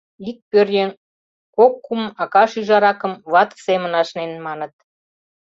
Ик пӧръеҥ кок-кум акак-шӱжаракым вате семын ашнен, маныт...